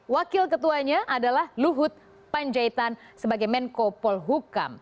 wakil ketuanya adalah luhut panjaitan sebagai menko polhukam